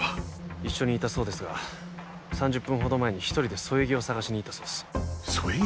一緒にいたそうですが３０分ほど前に１人で添え木を探しに行ったそうです添え木？